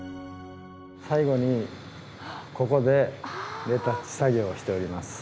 最後にここでレタッチ作業をしております。